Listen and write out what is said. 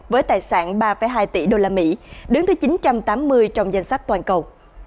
với tài sản ba hai tỷ usd đứng thứ chín trăm tám mươi trong danh sách toàn cầu